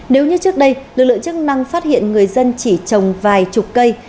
nếu như trước đây lực lượng chức năng phát hiện người dân chỉ trồng vài chục cây